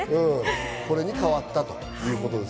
これに変わったと。